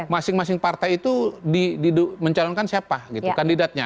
masing masing partai itu mencalonkan siapa gitu kandidatnya